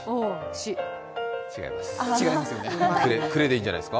違います。